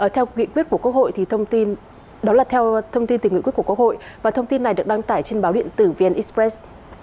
theo thông tin từ nghị quyết của quốc hội thông tin này được đăng tải trên báo điện tử vn express